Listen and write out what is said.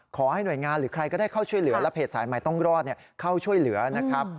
ขอให้หน่วยงานหรือใครก็ได้เข้าช่วยเหลือและเพจสายใหม่ต้องรอดเข้าช่วยเหลือนะครับ